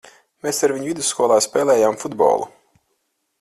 Mēs ar viņu vidusskolā spēlējām futbolu.